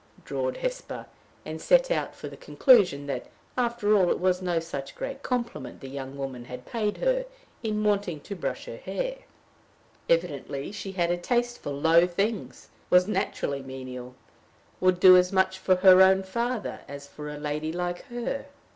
drawled Hesper, and set out for the conclusion that after all it was no such great compliment the young woman had paid her in wanting to brush her hair. Evidently she had a taste for low things! was naturally menial! would do as much for her own father as for a lady like her!